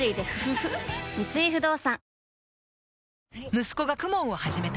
三井不動産息子が ＫＵＭＯＮ を始めた